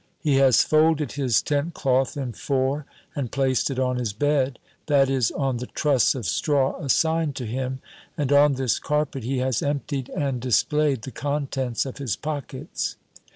He has folded his tent cloth in four and placed it on his bed that is, on the truss of straw assigned to him and on this carpet he has emptied and displayed the contents of his pockets.